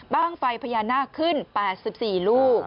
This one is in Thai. ไฟพญานาคขึ้น๘๔ลูก